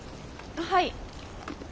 はい。